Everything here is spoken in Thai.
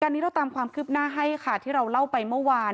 อันนี้เราตามความคืบหน้าให้ค่ะที่เราเล่าไปเมื่อวาน